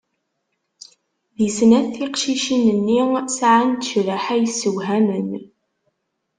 Di snat tiqcicin-nni sɛant cbaḥa yessewhamen.